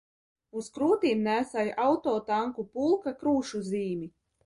Uz krūtīm nēsāja Autotanku pulka krūšu zīmi.